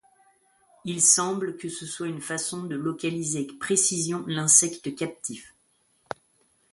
Il semble que ce soit une façon de localiser avec précision l'insecte captif.